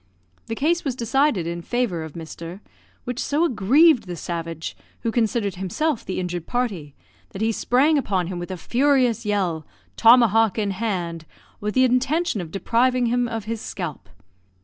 The case was decided in favour of Mr. , which so aggrieved the savage, who considered himself the injured party, that he sprang upon him with a furious yell, tomahawk in hand, with the intention of depriving him of his scalp.